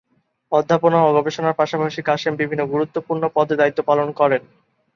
অধ্যাপনা ও গবেষণার পাশাপাশি কাসেম বিভিন্ন গুরুত্বপূর্ণ পদে দায়িত্ব পালন করেন।